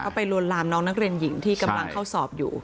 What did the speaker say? ไปลวนลามน้องนักเรียนหญิงที่กำลังเข้าสอบอยู่